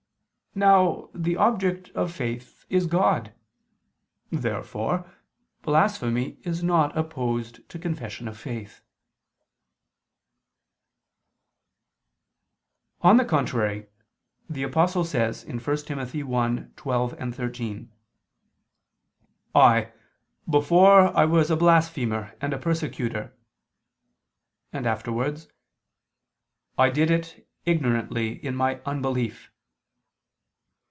Now the object of faith is God. Therefore blasphemy is not opposed to confession of faith. On the contrary, The Apostle says (1 Tim. 1:12, 13): "I ... before was a blasphemer and a persecutor," and afterwards, "I did it ignorantly in" my "unbelief."